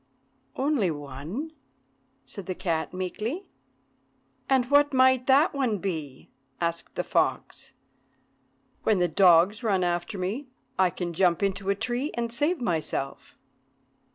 "Only one," said the cat meekly. "And what might that one be?" asked the fox. "When the dogs run after me, I can jump into a tree and save myself."